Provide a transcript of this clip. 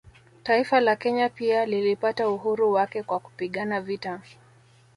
Taifa la Kenya pia lilipata uhuru wake kwa kupigana vita